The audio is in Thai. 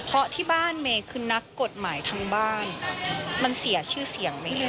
เพราะที่บ้านเมย์คือนักกฎหมายทั้งบ้านมันเสียชื่อเสียงไม่เลย